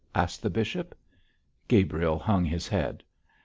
asked the bishop. Gabriel hung his head.